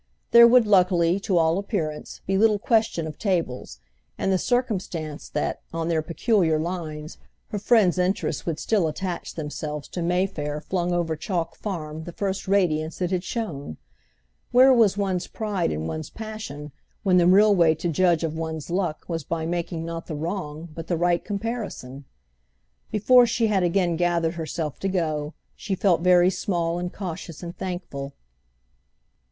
There would luckily, to all appearance, be little question of tables; and the circumstance that, on their peculiar lines, her friend's interests would still attach themselves to Mayfair flung over Chalk Farm the first radiance it had shown. Where was one's pride and one's passion when the real way to judge of one's luck was by making not the wrong but the right comparison? Before she had again gathered herself to go she felt very small and cautious and thankful.